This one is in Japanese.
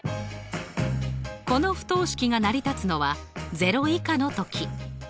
この不等式が成り立つのは０以下のとき。